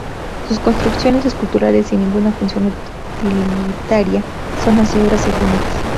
Sus construcciones, esculturales sin ninguna función utilitaria, son así obras efímeras.